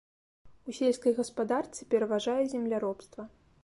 У сельскай гаспадарцы пераважае земляробства.